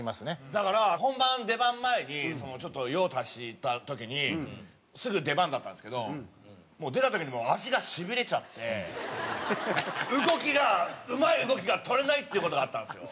だから本番出番前にちょっと用を足した時にすぐ出番だったんですけど出た時にもう足がしびれちゃって動きがうまい動きが取れないっていう事があったんですよ。